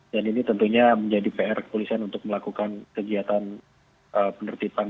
dan ini tentunya menjadi pr kepolisian untuk melakukan kegiatan penertiban